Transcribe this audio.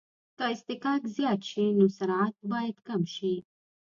که اصطکاک زیات شي نو سرعت باید کم شي